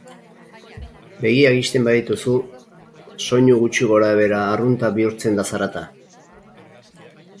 Begiak ixten badituzu, soinu gutxi gorabehera arrunta bihurtzen da zarata.